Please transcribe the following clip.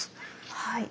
はい。